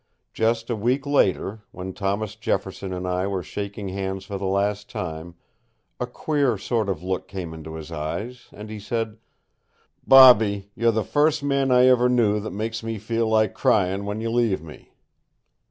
Just a week later, when Thomas Jefferson and I were shaking hands for the last time, a queer sort of look came into his eyes, and he said: "Bobby, you're the first man I ever knew that makes me feel like crying when you leave me."